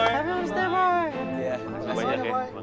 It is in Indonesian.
terima kasih banyak ya